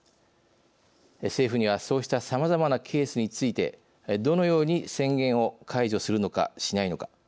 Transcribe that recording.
政府にはそうしたさまざまなケースについてどのように宣言を解除するのかしないのか。